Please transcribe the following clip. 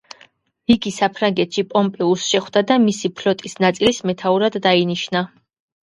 იგი საბერძნეთში პომპეუსს შეხვდა და მისი ფლოტის ნაწილის მეთაურად დაინიშნა.